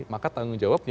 maka tanggung jawabnya